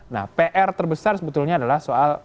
nah pr terbesar sebetulnya adalah soal